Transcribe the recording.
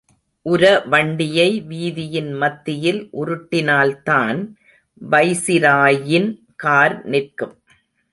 உரவண்டியை வீதியின் மத்தியில் உருட்டினால்தான் வைசிராயின் கார் நிற்கும்.